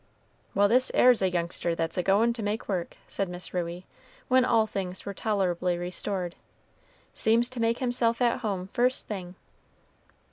"Well, this 'ere's a youngster that's a goin' to make work," said Miss Ruey, when all things were tolerably restored. "Seems to make himself at home first thing."